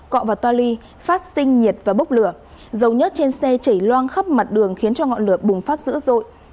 cọ và toa ly phát sinh nhiệt và bốc lửa dầu nhất trên xe chảy loang khắp mặt đường khiến cho ngọn lửa bùng phát dữ dội